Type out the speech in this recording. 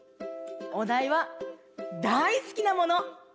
おだいは「大好きなもの」。